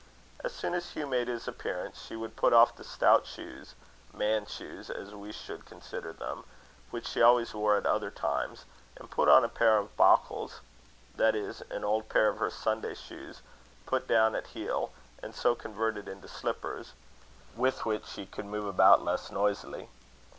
As soon as Hugh made his appearance, she would put off the stout shoes man's shoes, as we should consider them which she always wore at other times, and put on a pair of bauchles; that is, an old pair of her Sunday shoes, put down at heel, and so converted into slippers, with which she could move about less noisily.